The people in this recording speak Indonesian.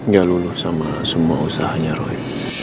gak luluh sama semua usahanya roy